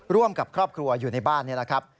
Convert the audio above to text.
ร่วมกับครอบครัวอยู่ในบ้านนี่แหละครับ